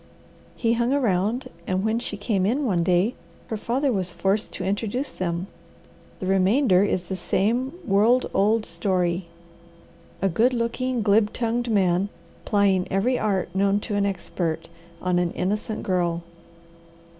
He hung around and when she came in one day her father was forced to introduce them. The remainder is the same world old story a good looking, glib tongued man, plying every art known to an expert, on an innocent girl."